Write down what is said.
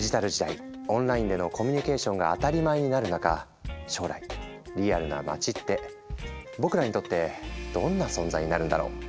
オンラインでのコミュニケーションが当たり前になる中将来リアルな街って僕らにとってどんな存在になるんだろう。